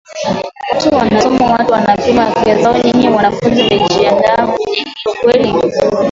watu wanasoma watu wanapima afya zao nyinyi wanafunzi mmejiandaa kwenye hilo kweli